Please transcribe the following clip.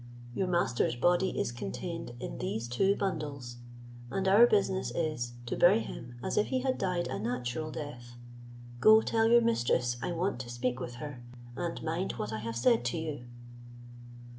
Your master's body is contained in these two bundles, and our business is, to bury him as if he had died a natural death. Go, tell your mistress I want to speak with her; and mind what I have said to you."